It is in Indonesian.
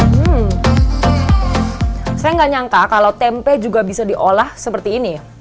hmm saya nggak nyangka kalau tempe juga bisa diolah seperti ini